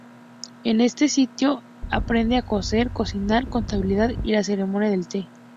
En ese sitio aprende a coser, cocinar, contabilidad y la ceremonia del te.